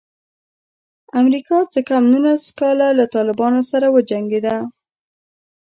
امریکا څه کم نولس کاله له طالبانو سره وجنګېده.